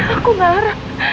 aku enggak harap